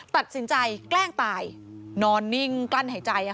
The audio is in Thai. ตัดสินใจแกล้งตายนอนนิ่งกลั้นหายใจ